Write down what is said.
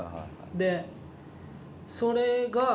でそれが。